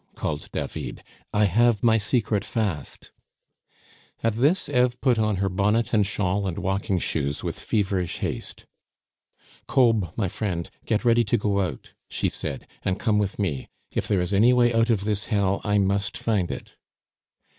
called David; "I have my secret fast." At this Eve put on her bonnet and shawl and walking shoes with feverish haste. "Kolb, my friend, get ready to go out," she said, "and come with me; if there is any way out of this hell, I must find it."